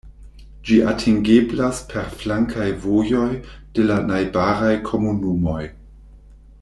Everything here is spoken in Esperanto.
Ĝi atingeblas per flankaj vojoj de la najbaraj komunumoj.